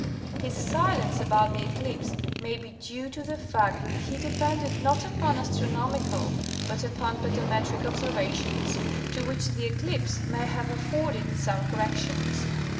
His silence about the eclipse'may be due to the fact that he depended not upon astronomical but upon pedometric observa tions, to which the eclipse may have afforded some corrections.